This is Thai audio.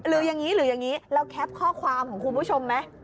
หรือยังงี้เราแคปข้อความของคุณผู้ชมไหม